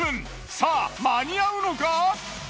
さぁ間に合うのか？